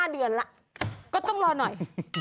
๕เดือนแล้วก็ต้องรอหน่อย